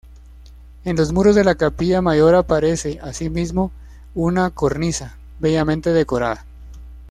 En los muros de la capilla mayor aparece, asimismo, una cornisa, bellamente decorada.